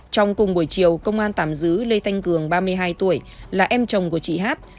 trong cùng buổi chiều công an tạm giữ lê thanh cường ba mươi hai tuổi là em chồng của chị hát